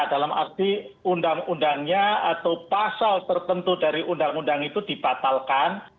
dalam arti undang undangnya atau pasal tertentu dari undang undang itu dibatalkan